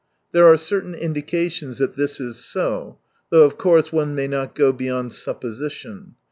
There are certain indications that this is so — though of course one may not go beyond supposition.